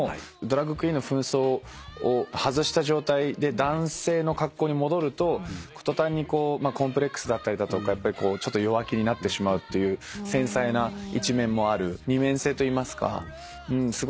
ドラァグクイーンの扮装を外した状態で男性の格好に戻ると途端にこうコンプレックスだったりだとかちょっと弱気になってしまうという繊細な一面もある二面性といいますかすごい魅力的なキャラクターです。